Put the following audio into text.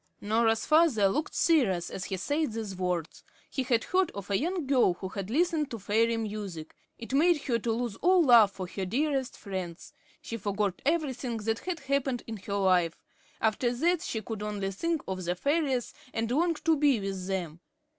Norah's father looked serious as he said these words. He had heard of a young girl who had listened to fairy music. It made her lose all love for her dearest friends. She forgot everything that had happened in her life. After that, she could only think of the fairies, and long to be with them.